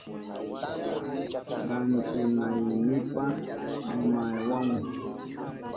Rantinaynipa kunawahun.